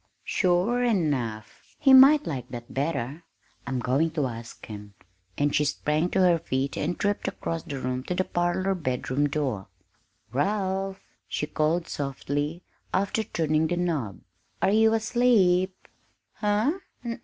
"Sure enough he might like that better; I'm going to ask him!" and she sprang to her feet and tripped across the room to the parlor bedroom door. "Ralph," she called softly, after turning the knob, "are you asleep?" "Huh?